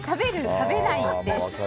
食べない？です。